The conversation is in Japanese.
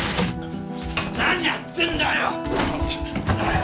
何やってんだよ！